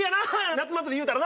夏祭りいうたらな。